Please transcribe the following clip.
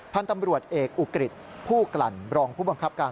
พันธุ์ตำรวจเอกอุกฤษผู้กลั่นรองผู้บังคับการ